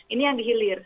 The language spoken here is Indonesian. ini yang dihilir